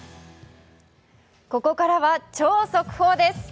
ここからは超速報です。